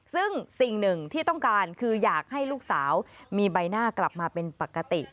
ซึ่งสิ่งหนึ่งที่ต้องการคืออยากให้ลูกสาวมีใบหน้ากลับมาเป็นปกติ